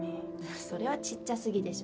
それはちっちゃすぎでしょ。